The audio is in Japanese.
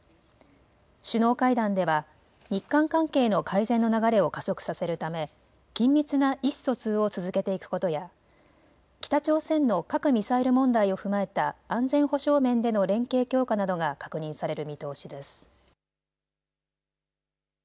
首脳会談では日韓関係の改善の流れを加速させるため緊密な意思疎通を続けていくことや北朝鮮の核・ミサイル問題を踏まえた安全保障面での連携強化などが確認される見通しです。